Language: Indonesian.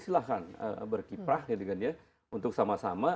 silahkan berkiprah untuk sama sama